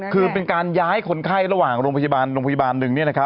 คือเป็นการย้ายคนไข้ระหว่างโรงพยาบาลโรงพยาบาลหนึ่ง